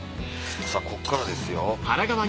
さぁこっからですよ。